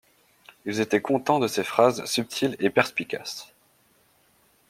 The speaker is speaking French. Il était content de ses phrases subtiles et perspicaces.